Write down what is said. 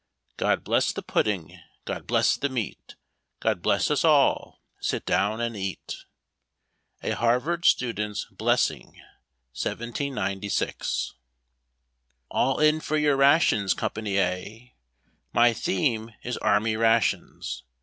"God bless tlie pudding, God bless the meat, God bless us all; Sit down and eat." A Harvard Student's Blessing, 1796. ALL in for your rations, Company A !" My theme is Army Rations.